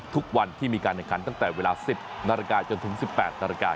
ทุกวันที่มีการแข่งขันตั้งแต่เวลา๑๐นาฬิกาจนถึง๑๘นาฬิกา